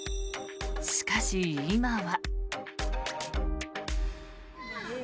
しかし、今は。